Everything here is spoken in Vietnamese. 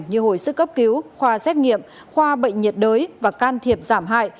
như hồi sức cấp cứu khoa xét nghiệm khoa bệnh nhiệt đới và can thiệp giảm hại